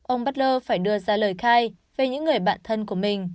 ông buckler phải đưa ra lời khai về những người bạn thân của mình